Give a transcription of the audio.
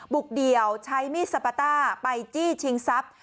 เดี่ยวใช้มีดสปาต้าไปจี้ชิงทรัพย์